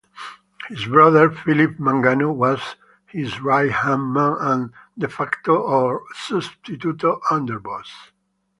His brother Philip Mangano was his right-hand man and "de facto", or "substituto", underboss.